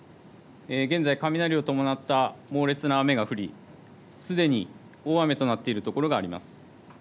現在、雷を伴った猛烈な雨が降りすでに大雨となっている所があります。